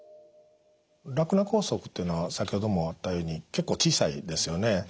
ラクナ梗塞というのは先ほどもあったように結構小さいですよね。